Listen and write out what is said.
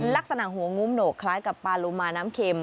ลักษณะหัวงุ้มโหนกคล้ายกับปาลูมาน้ำเข็ม